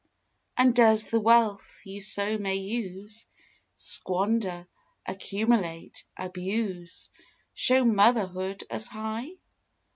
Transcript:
And does the wealth you so may use, Squander, accumulate, abuse, Show motherhood as high?